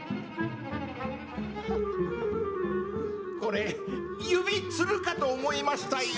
これ、指つるかと思いましたよ！